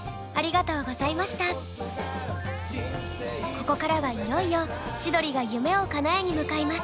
ここからはいよいよ千鳥が夢を叶えに向かいます。